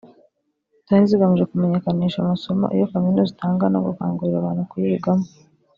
zari zigamije kumenyakanisha amasomo iyo kaminuza itanga no gukangurira abantu kuyigamo